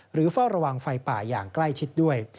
เฝ้าระวังไฟป่าอย่างใกล้ชิดด้วย